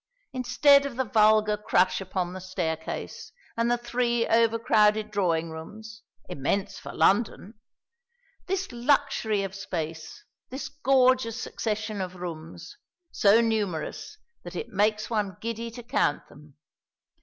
Instead of the vulgar crush upon the staircase, and the three overcrowded drawing rooms, immense for London this luxury of space, this gorgeous succession of rooms, so numerous that it makes one giddy to count them.